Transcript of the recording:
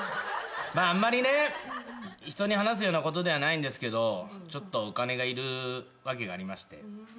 あんまり人に話すようなことではないんですけどちょっとお金がいる訳がありまして。